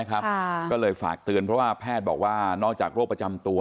ก็เลยฝากเตือนเพราะว่าแพทย์บอกว่านอกจากโรคประจำตัว